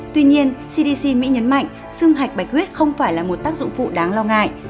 tuy nhiên cdc mỹ nhấn mạnh xương hạch bạch huyết không phải là một tác dụng phụ đáng lo ngại